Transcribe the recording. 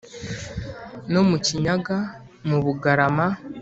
no mukinyaga nu bugarama